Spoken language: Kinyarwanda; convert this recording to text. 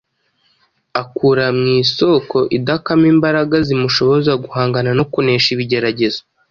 akura mu isoko idakama imbaraga zimushoboza guhangana no kunesha ibigeragezo